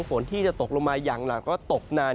ฝนที่จะตกลงมาอย่างหลักก็ตกนาน